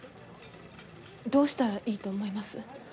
どうしたらいいと思います？